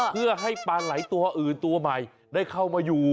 เพื่อให้ปลาไหลตัวอื่นตัวใหม่ได้เข้ามาอยู่